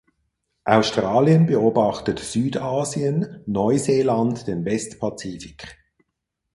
Australien beobachtet Südasien, Neuseeland den Westpazifik.